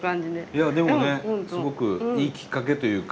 いやでもねすごくいいきっかけというか。